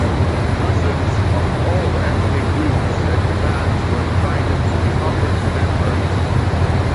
Muslims of all ethnic groups and clans were invited to become its members.